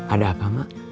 ada apa emak